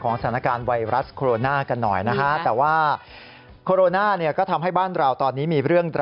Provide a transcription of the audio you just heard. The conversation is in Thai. ๑๐นาฬกาล๒๘นาที